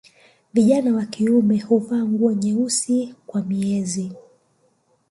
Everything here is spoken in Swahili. Vijana wa kiume huvaa nguo nyeusi kwa miezi